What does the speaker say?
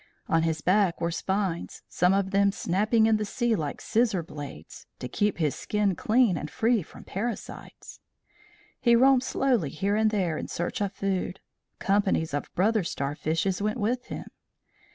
On his back were spines, some of them snapping in the sea like scissor blades, to keep his skin clean and free from parasites. He roamed slowly here and there in search of food. Companies of brother starfishes went with him.